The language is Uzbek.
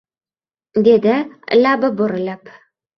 dedi labi burilib.